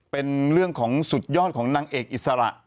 เป็นเรื่องของสุดยอดของนางเอกอิสระ